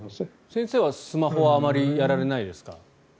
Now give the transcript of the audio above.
先生はスマホはあまりやられないですか？